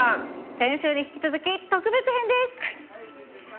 先週に引き続き、特別編です。